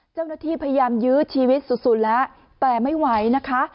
เจ้าหน้าที่พยายามยื้อชีวิตสุดแล้วแต่ไม่ไหวนะคะ